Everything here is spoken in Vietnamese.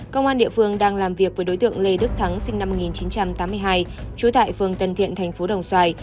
công an địa phương đang làm việc với đối tượng lê đức thắng sinh năm một nghìn chín trăm tám mươi hai trú tại phường tân thiện thành phố đồng xoài